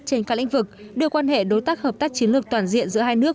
trên các lĩnh vực đưa quan hệ đối tác hợp tác chiến lược toàn diện giữa hai nước